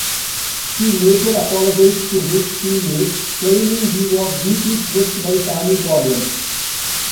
He later apologized to his teammates, claiming he was deeply stressed by family problems.